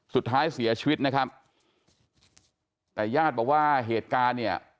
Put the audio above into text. สุดท้ายเสียชีวิตนะครับแต่ญาติบอกว่าเหตุการณ์เนี่ย